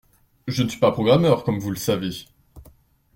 Je ne suis pas programmeur, comme vous le savez.